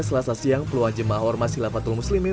selasa siang peluang jemaah ormas hilafatul muslimin